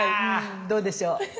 どうでしょう。